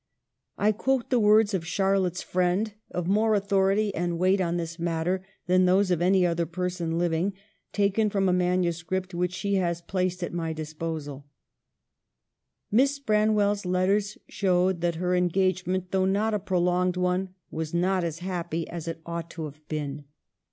I quote the words of Charlotte's friend, of more authority and weight on this matter than those of any other person living, taken from a manuscript which she has placed at my disposal :" Miss Branwell's letters showed that her en gagement, though not a prolonged one, was not as happy as it ought to have been.